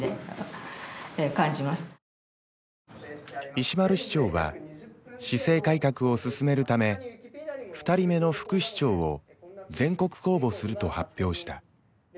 石丸市長は市政改革を進めるため２人目の副市長を全国公募すると発表した。